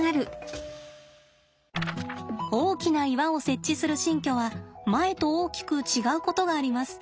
大きな岩を設置する新居は前と大きく違うことがあります。